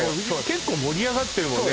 結構盛り上がってるもんね